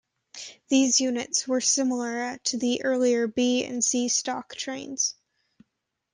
These units were very similar to the earlier B and C Stock trains.